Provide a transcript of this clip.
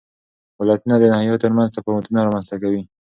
ولایتونه د ناحیو ترمنځ تفاوتونه رامنځ ته کوي.